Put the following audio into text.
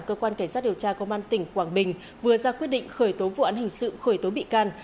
cơ quan cảnh sát điều tra công an tỉnh quảng bình vừa ra quyết định khởi tố vụ án hình sự khởi tố bị can